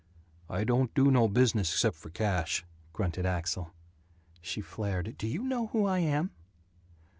"I don't do no business except for cash," grunted Axel. She flared, "Do you know who I am?"